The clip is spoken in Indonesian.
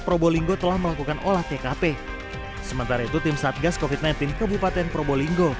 probolinggo telah melakukan olah tkp sementara itu tim satgas kofit sembilan belas kabupaten probolinggo